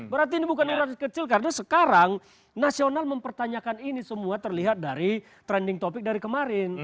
berarti ini bukan universitas kecil karena sekarang nasional mempertanyakan ini semua terlihat dari trending topic dari kemarin